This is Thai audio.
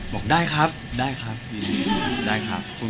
บอกได้ครับได้ครับ